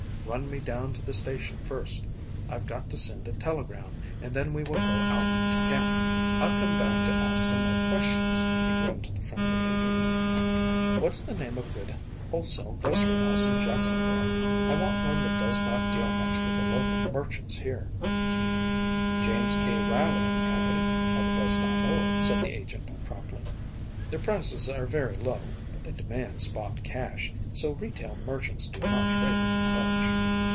"Run me down to the station first. I've got to send a telegram, and then we will go out to camp." "I've come back to ask some more questions," he grinned to the friendly agent. "What's the name of a good wholesale grocery house in Jacksonville? I want one that does not deal much with the local merchants here." "James K. Riley & Co. are the best I know of," said the agent promptly. "Their prices are very low, but they demand spot cash, so retail merchants do not trade with them much."